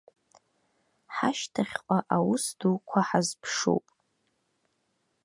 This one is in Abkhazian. Ҳашьҭахьҟа аус дуқәа ҳазԥшуп.